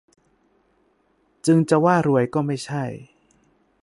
จึงจะว่ารวยก็ไม่ใช่